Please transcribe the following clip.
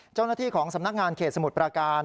เจ้าหน้าที่ของสำนักงานเขตสมุทรประการ